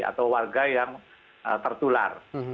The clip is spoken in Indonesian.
atau warga yang tertular